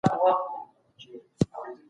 ده ویلي و چي نېکمرغي په وطن کي ده.